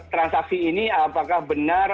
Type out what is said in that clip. transaksi ini apakah benar